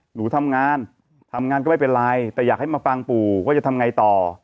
หนูทำงานทำงานก็ไม่เป็นไรแต่อยากให้มาฟังปู่ว่าจะทำไงต่อ